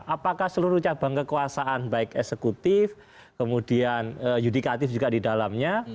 apakah seluruh cabang kekuasaan baik eksekutif kemudian yudikatif juga di dalamnya